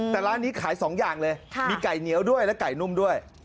แต่ร้านนี้ขาย๒อย่างเลยมีไก่เหนียวด้วยและไก่นุ่มด้วย